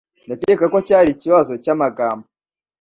Ndakeka ko cyari ikibazo cyamagambo.